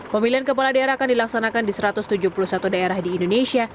pemilihan kepala daerah akan dilaksanakan di satu ratus tujuh puluh satu daerah di indonesia